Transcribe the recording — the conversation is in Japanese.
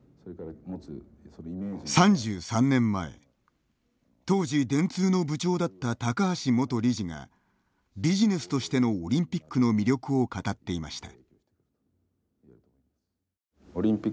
３３年前、当時電通の部長だった高橋元理事がビジネスとしてのオリンピックの魅力を語っていました。